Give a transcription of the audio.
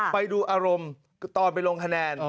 ไปดูอารมณ์ตอนไปลงคะแนน